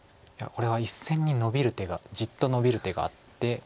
これは１線にノビる手がじっとノビる手があって。